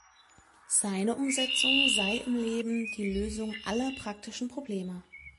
Seine Umsetzung sei im Leben die Lösung aller praktischen Probleme.